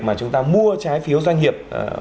mà chúng ta mua trái phiếu doanh nghiệp